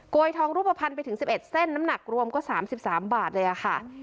ยทองรูปภัณฑ์ไปถึง๑๑เส้นน้ำหนักรวมก็๓๓บาทเลยค่ะ